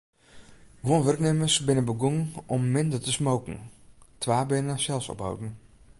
Guon wurknimmers binne begûn om minder te smoken, twa binne sels opholden.